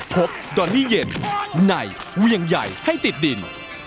ดอนนี่เย็นในเวียงใหญ่ให้ติดดิน